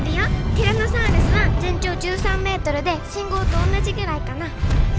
ティラノサウルスは全長１３ｍで信号と同じぐらいかな。